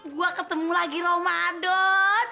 gua ketemu lagi ramadan